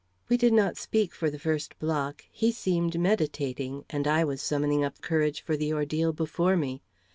We did not speak for the first block. He seemed meditating, and I was summoning up courage for the ordeal before me.